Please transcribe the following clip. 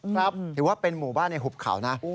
ถือว่าเป็นหมู่บ้านในหุบเขานะ